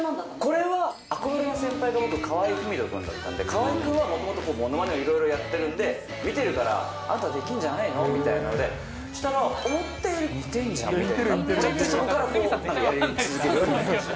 これは憧れの先輩が僕、河合郁人君だったんで、河合君はもともとものまねをいろいろやってるんで、見てるから、あんたできるんじゃないのみたいなので、思ったより、似てんじゃんみたいな、そこからやり続けるようになりました。